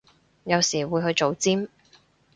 有時會去做尖